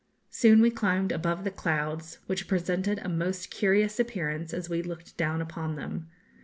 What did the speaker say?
Soon we climbed above the clouds, which presented a most curious appearance as we looked down upon them.